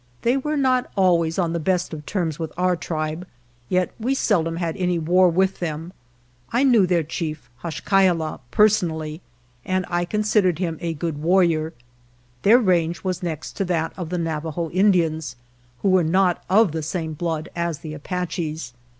They were not always on the best of terms with our tribe, yet we seldom had any war with them. I knew their chief, Hash ka ai la, personally, and I considered him a good warrior. Their range was next to that of the Navajo Indians, who were not of the same blood as the Apaches.